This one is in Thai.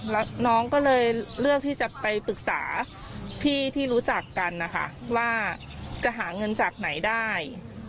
แล้วน้องก็เลยเลือกที่จะไปปรึกษาพี่ที่รู้จักกันนะคะว่าจะหาเงินจากไหนได้